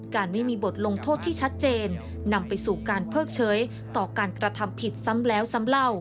การไม่มีบทลงโทษที่ชัดเจนนำไปสู่การเพิกเฉยต่อการกระทำผิดซ้ำแล้วซ้ำเล่า